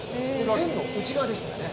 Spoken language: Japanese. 線の内側でしたからね。